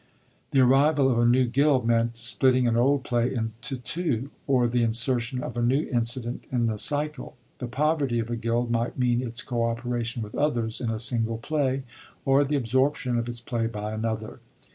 The arrival of a new gild meant splitting an old play into two, or the insertion of a new incident in the cycle ; the poverty of a gild might mean its co operation with others in a single play, or the absorption of its play by another.